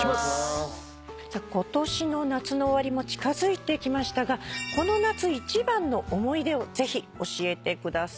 今年の夏の終わりも近づいてきましたがこの夏一番の思い出をぜひ教えてください。